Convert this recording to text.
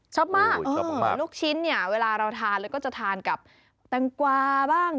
ชอบมากลูกชิ้นเวลาเราทานเราก็จะทานกับตังกวาบ้าง